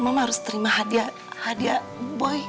mama harus terima hadiah boy